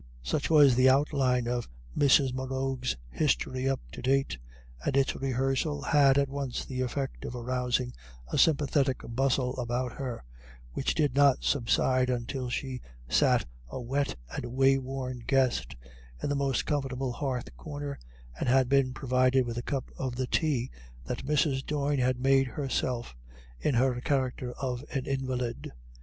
Such was the outline of Mrs. Morrough's history up to date, and its rehearsal had at once the effect of arousing a sympathetic bustle about her, which did not subside until she sat a wet and wayworn guest, in the most comfortable hearth corner, and had been provided with a cup of the tea that Mrs. Doyne had made herself in her character of an invalid.